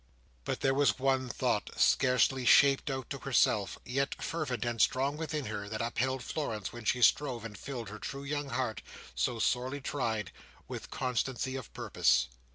But there was one thought, scarcely shaped out to herself, yet fervent and strong within her, that upheld Florence when she strove and filled her true young heart, so sorely tried, with constancy of purpose.